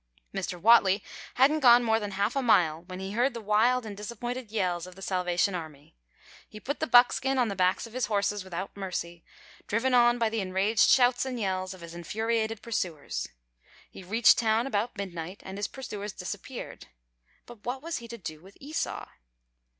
Mr. Whatley hadn't gone more than half a mile when he heard the wild and disappointed yells of the Salvation Army. He put the buckskin on the backs of his horses without mercy, driven on by the enraged shouts and yells of his infuriated pursuers. He reached town about midnight, and his pursuers disappeared. But what was he to do with Esau?